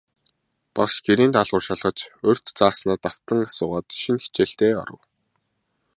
Багш гэрийн даалгавар шалгаж, урьд зааснаа давтан асуугаад, шинэ хичээлдээ оров.